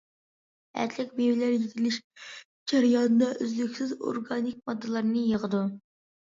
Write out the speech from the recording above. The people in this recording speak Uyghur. ئەتلىك مېۋىلەر يېتىلىش جەريانىدا، ئۈزلۈكسىز ئورگانىك ماددىلارنى يىغىدۇ.